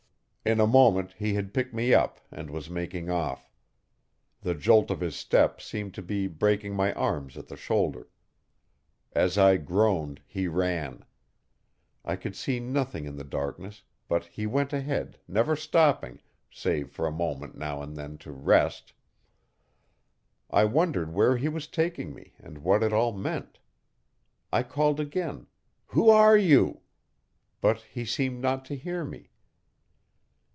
In a moment he had picked me up and was making off. The jolt of his step seemed to be breaking my arms at the shoulder. As I groaned he ran. I could see nothing in the darkness, but he went ahead, never stopping, save for a moment, now and then, to rest I wondered where he was taking me and what it all meant. I called again, 'Who are you?' but he seemed not to hear me.